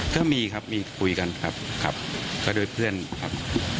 ก็มีครับมีคุยกันครับครับก็ด้วยเพื่อนครับ